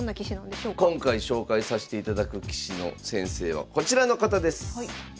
今回紹介さしていただく棋士の先生はこちらの方です。